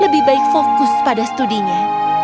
lebih baik fokus pada studinya